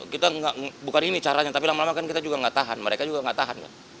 kita bukan ini caranya tapi lama lama kan kita juga nggak tahan mereka juga nggak tahan kan